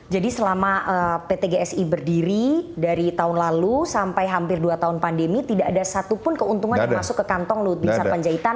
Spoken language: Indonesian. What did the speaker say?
jadi selama pt gsi berdiri dari tahun lalu sampai hampir dua tahun pandemi tidak ada satupun keuntungan yang masuk ke kantong lu bisnis penjahitan